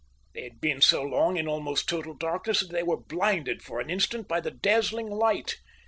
They had been so long in almost total darkness that they were blinded for an instant by the dazzling light.